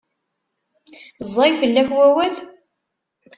Ẓẓay fell-ak wawal?